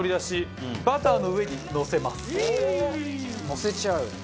のせちゃう。